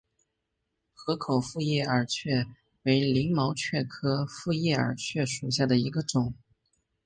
河口复叶耳蕨为鳞毛蕨科复叶耳蕨属下的一个种。